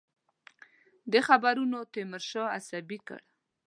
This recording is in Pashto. دې خبرونو تیمورشاه عصبي کړ.